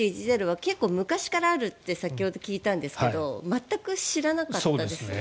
結構昔からあるって先ほど聞いたんですが全く知らなかったです。